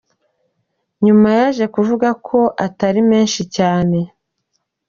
Nyuma yaje kuvuga ko atari menshi cyane.